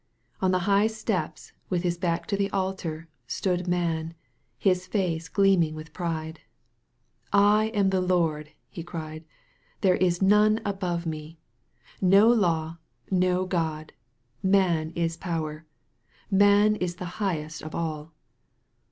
On the high steps, with his back to the altar, stood Man, his face gleaming with pride. "I am the Lord!" he cried. "There is none above me! No law, no (xod! Man is power. Man is the highest of all